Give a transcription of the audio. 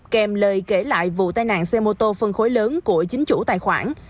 kèm lời kể lại vụ tai nạn xe mô tô phân khối lớn của chính chủ tài khoản